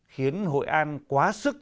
khiến hội an quá sức